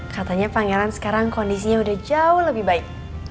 katanya pangeran sekarang kondisinya udah jauh lebih baik